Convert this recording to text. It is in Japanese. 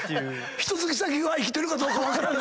ひとつき先は生きてるかどうか分からない。